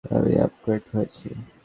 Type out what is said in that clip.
আমি আপগ্রেড হয়েছি।